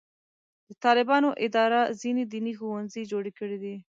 د طالبانو اداره ځینې دیني ښوونځي جوړ کړي دي.